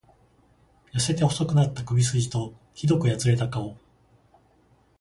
痩せて細くなった首すじと、酷くやつれた顔。